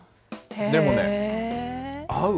でもね、合う。